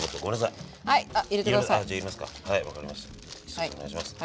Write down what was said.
先生お願いします。